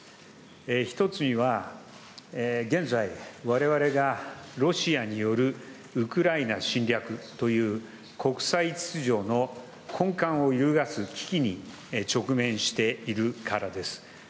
１つには、現在、われわれがロシアによるウクライナ侵略という、国際秩序の根幹を揺るがす危機に直面しているからです。